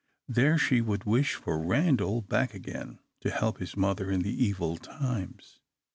There she would wish for Randal back again, to help his mother in the evil times.